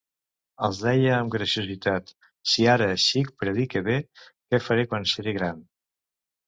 Els deia amb graciositat: «Si ara xic predique bé, què faré quan seré gran?»